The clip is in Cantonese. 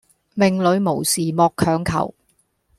命裡無時莫強求